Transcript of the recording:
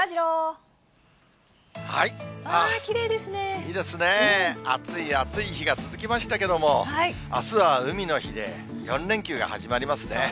いいですね、暑い暑い日が続きましたけども、あすは海の日で、４連休が始まりますね。